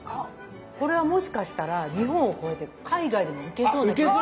これはもしかしたら日本を越えて海外でも受けそうな気がします。